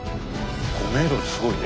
５ｍってすごいね。